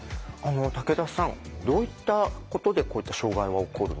竹田さんどういったことでこういった障害は起こるのですかね？